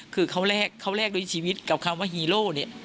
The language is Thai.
คือเขาแลกด้วยชีวิตกับคำว่าฮีโร่เนี่ย